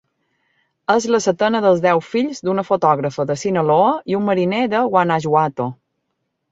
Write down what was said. És la setena dels deu fills d'una fotògrafa de Sinaloa i un mariner de Guanajuato.